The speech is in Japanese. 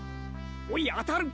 おいあたる！